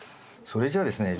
それじゃあですね